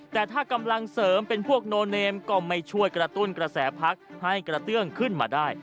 แต่ถ้ากำลังเสริมเป็นพวกโนเนมก็ไม่ช่วยกระตุ้นกระแสพักให้กระเตื้องขึ้นมาได้